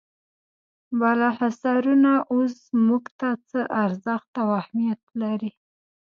بالا حصارونه اوس موږ ته څه ارزښت او اهمیت لري.